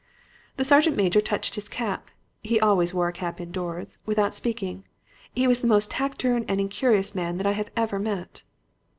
"The sergeant major touched his cap he always wore a cap indoors without speaking. He was the most taciturn and incurious man that I have ever met.